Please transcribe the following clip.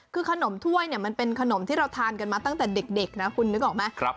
คือขนมถ้วยเนี่ยมันเป็นขนมที่เราทานกันมาตั้งแต่เด็กนะคุณนึกออกไหม